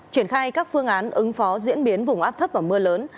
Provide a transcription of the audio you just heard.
triển khai các phương án ứng phó diễn biến vùng áp thấp và mưa lớn